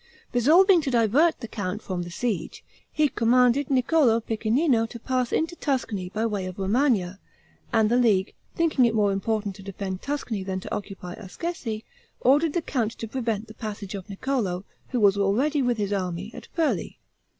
Resolving to divert the count from the siege, he commanded Niccolo Piccinino to pass into Tuscany by way of Romagna; and the League, thinking it more important to defend Tuscany than to occupy Ascesi, ordered the count to prevent the passage of Niccolo, who was already, with his army, at Furli.